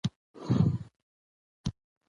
ډيپلوماسي د تاریخ په اوږدو کي اغېزمنه پاتې سوی ده.